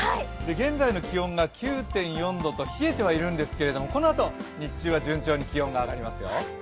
現在の気温が９．４度と冷えてはいるんですけれども、このあと日中は順調に気温が上がりますよ。